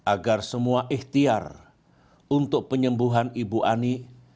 agar semua ikhtiar untuk penyembuhan ibu ani